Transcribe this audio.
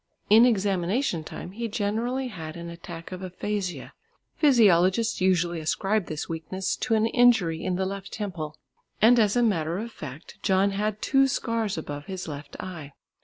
In examination time he generally had an attack of aphasia. Physiologists usually ascribe this weakness to an injury in the left temple. And as a matter of fact John had two scars above his left eye.